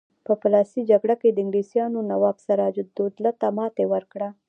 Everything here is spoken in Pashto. په پلاسۍ جګړه کې انګلیسانو نواب سراج الدوله ته ماتې ورکړه.